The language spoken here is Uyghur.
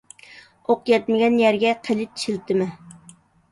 ئوق يەتمىگەن يەرگە قېلىچ شىلتىمە.